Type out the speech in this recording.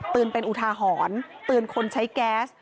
เตือนเป็นอุทาหอนเตือนคนใช้แก๊ส